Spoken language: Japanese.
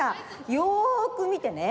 よくみてね。